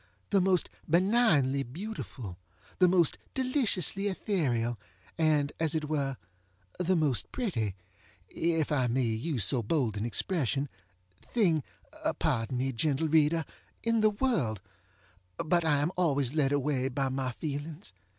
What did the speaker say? the most benignly beautiful, the most deliciously ethereal, and, as it were, the most pretty (if I may use so bold an expression) thing (pardon me, gentle reader!) in the worldŌĆöbut I am always led away by my feelings.